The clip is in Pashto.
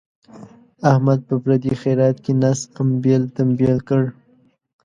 احمد په پردي خیرات کې نس امبېل تمبیل کړ.